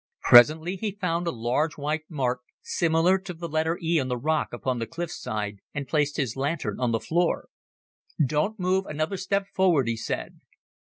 Presently he found a large white mark similar to the letter E on the rock upon the cliff side, and placed his lantern on the floor. "Don't move another step forward," he said.